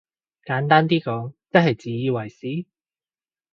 簡單啲講即係自以為是？